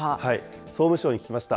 総務省に聞きました。